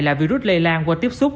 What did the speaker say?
là virus lây lan qua tiếp xúc